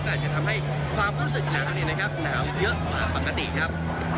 แต่อาจจะทำให้ความรู้สึกหนาเท่านี้นะครับหนาวเยอะกว่าปกติครับ